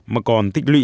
mà còn tích lũy